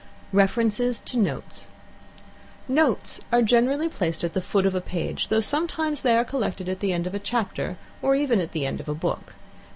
REFERENCES TO NOTES Notes are generally placed at the foot of a page; though sometimes they are collected at the end of a chapter, or even at the end of a book.